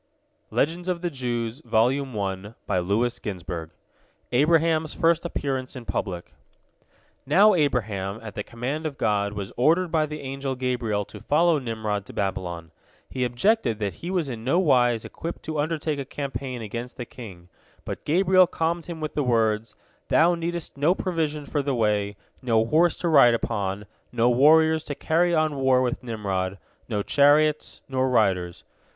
ABRAHAM'S FIRST APPEARANCE IN PUBLIC Now Abraham, at the command of God, was ordered by the angel Gabriel to follow Nimrod to Babylon. He objected that he was in no wise equipped to undertake a campaign against the king, but Gabriel calmed him with the words: "Thou needest no provision for the way, no horse to ride upon, no warriors to carry on war with Nimrod, no chariots, nor riders.